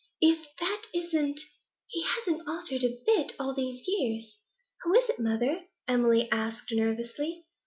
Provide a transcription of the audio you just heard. If that isn't ! He hasn't altered a bit all these years!' 'Who is it, mother?' Emily asked nervously.